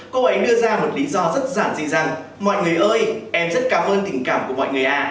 cô ấy đưa ra một lý do rất giản dị rằng mọi người ơi em rất cảm ơn tình cảm của mọi người